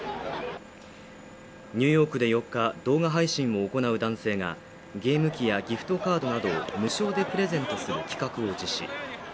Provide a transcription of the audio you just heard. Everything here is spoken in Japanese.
ニューヨークで４日動画配信も行う男性がゲーム機やギフトカードなどを無償でプレゼントする企画を実施